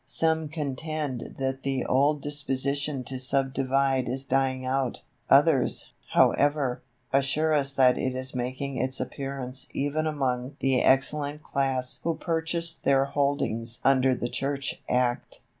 Some contend that the old disposition to subdivide is dying out; others, however, assure us that it is making its appearance even among the excellent class who purchased their holdings under the Church Act.